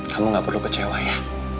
kamu gak perlu kecewa ya